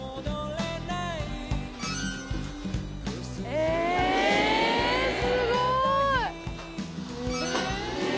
えぇすごい！